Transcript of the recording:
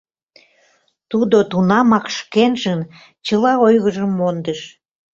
Тудо тунамак шкенжын чыла ойгыжым мондыш.